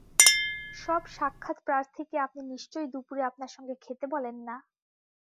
সব সাক্ষাৎপ্রাথীকে আপনি নিশ্চয়ই দুপুরে আপনার সঙ্গে খেতে বলেন না?